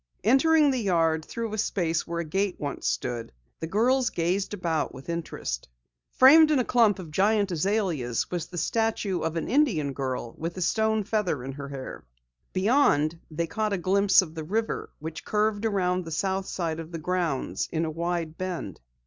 Entering the yard through a space where a gate once had stood, the girls gazed about with interest. Framed in a clump of giant azaleas was the statue of an Indian girl with stone feathers in her hair. Beyond, they caught a glimpse of the river which curved around the south side of the grounds in a wide bend.